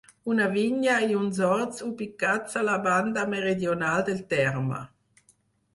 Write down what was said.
Una vinya i uns horts ubicats a la banda meridional del terme.